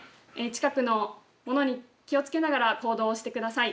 近くのものに気をつけながら行動をしてください。